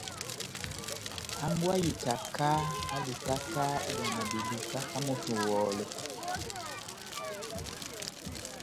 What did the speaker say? Hangwɛ y'ikaka ehálukaka iyàna beduka ká moto oŋòhòlɛ.